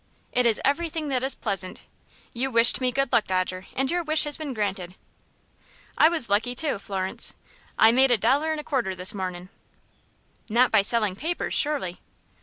"It is everything that is pleasant. You wished me good luck, Dodger, and your wish has been granted." "I was lucky, too, Florence. I've made a dollar and a quarter this mornin'." "Not by selling papers, surely?"